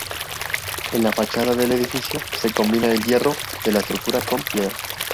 En la fachada del edificio, se combina el hierro de la estructura con piedra.